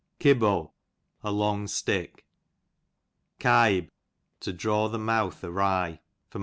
Kibbo, a long stick. Kibe, to draw the mouth awry, A.